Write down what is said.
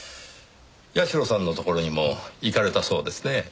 社さんのところにも行かれたそうですねぇ。